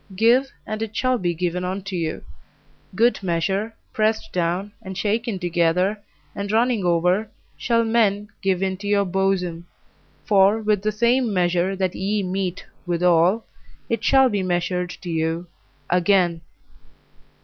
Give, and it shall be given unto you; good measure, pressed down, and shaken together, and running over, shall men give into your bosom. For with the same measure that ye mete withal it shall be measured to you again.